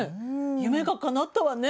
夢がかなったわね。